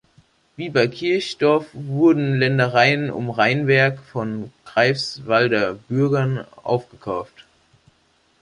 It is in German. Wie bei Kirchdorf wurden Ländereien um Reinberg von Greifswalder Bürgern aufgekauft.